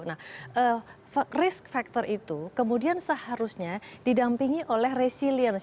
nah risk factor itu kemudian seharusnya didampingi oleh resilience